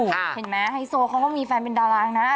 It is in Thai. เห็นไหมไฮโซรเขาก็มีแฟนเป็นดาราอย่างนั้น